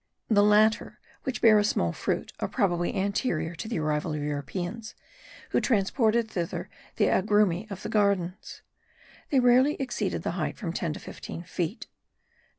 The latter, which bear a small fruit, are probably anterior to the arrival of Europeans,* who transported thither the agrumi of the gardens; they rarely exceed the height of from ten to fifteen feet.